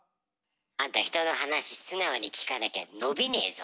あんた人の話素直に聞かなきゃ伸びねえぞ。